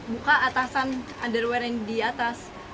buka atasan underwear yang di atas